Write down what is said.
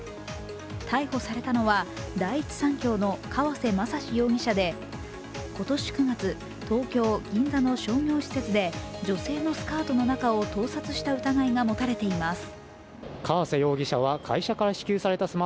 逮捕されたのは第一三共の川瀬雅史容疑者で今年９月、東京・銀座の商業施設で女性のスカートの中を盗撮した疑いが持たれています。